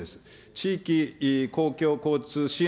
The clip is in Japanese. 地域公共交通支援。